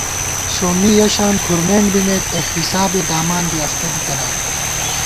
سومّی یَہ شان کھُرمېنڈ بِمېت، احتِسابے دامان دی اختہ بِتَنَئیت